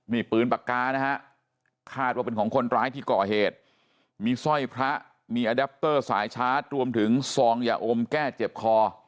นี่ปืนปากกานะฮะคาดว่าเป็นของคนร้ายที่ก่อเหตุมีสร้อยพระมีอดัปเตอร์สายชาร์จรวมถึงซองยาอมแก้เจ็บคอ